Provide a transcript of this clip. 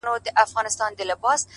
زه وايم دا ـ